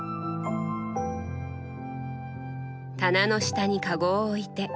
棚の下にかごを置いて。